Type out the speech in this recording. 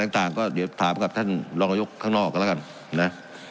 ต่างก็เดี๋ยวถามกับท่านรองนายกข้างนอกกันแล้วกันนะ